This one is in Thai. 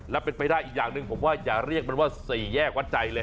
และเป็นไปได้อีกอย่างหนึ่งผมว่าอย่าเรียกมันว่า๔แยกวัดใจเลย